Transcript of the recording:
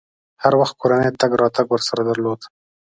هر وخت کورنۍ تګ راتګ ورسره درلود.